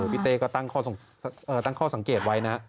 พี่เต้ก็ตั้งข้อสังเกตไว้นะ